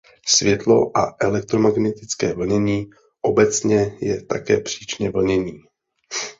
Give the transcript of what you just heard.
Světlo a elektromagnetické vlnění obecně je také příčné vlnění.